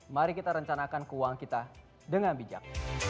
mari kita rencanakan keuangan kita dengan bijak